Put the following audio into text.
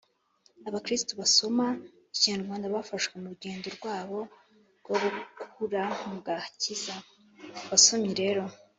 abakristo basoma ikinyarwanda bafashwe mu rugendo rwabo rwo gukura mu gakiza. Basomyi rero,